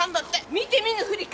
見て見ぬふりか？